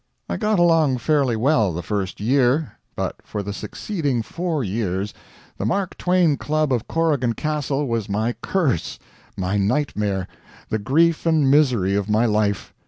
I got along fairly well the first year; but for the succeeding four years the Mark Twain Club of Corrigan Castle was my curse, my nightmare, the grief and misery of my life.